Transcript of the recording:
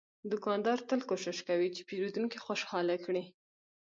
دوکاندار تل کوشش کوي چې پیرودونکی خوشاله کړي.